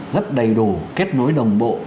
rất đầy đủ kết nối đồng bộ